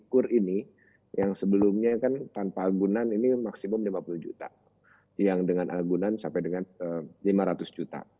kur ini yang sebelumnya kan tanpa agunan ini maksimum lima puluh juta yang dengan agunan sampai dengan lima ratus juta